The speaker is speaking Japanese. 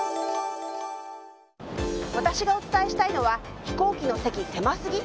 私がお伝えしたいのは飛行機の席、狭すぎ？